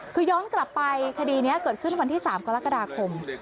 คือย้อนกลับไปคดีนี้เกิดขึ้นวันที่๓กรกฎาคม